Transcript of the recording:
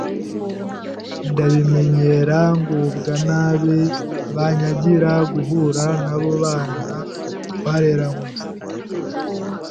ndabimenyera ngubwa nabi banyagira guhura n’abo bana twareranywe,